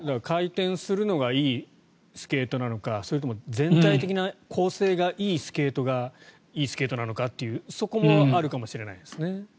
回転するのがいいスケートなのかそれとも全体的な構成がいいスケートがいいスケートなのかというそこもあるかもしれないですね。